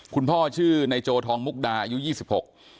พ่อชื่อในโจทองมุกดาอายุยี่สิบหก